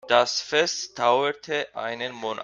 Das Fest dauerte einen Monat.